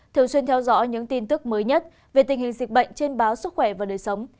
thường xuyên theo dõi những tin tức mới nhất về tình hình dịch bệnh trên báo sức khỏe và đời sống